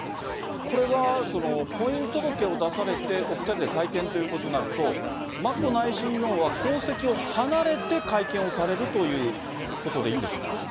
これは婚姻届を出されて、お２人で会見ということになると、眞子内親王は皇籍を離れて、会見をされるということでいいんでしょうか。